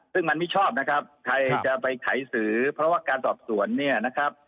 ซึ่งมันไม่ชอบนะครับใครจะไปไขสื่อเพราะว่าการสอบสวนเนี่ยนะครับ